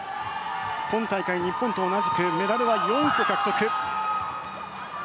今大会、日本と同じくメダルは４個獲得。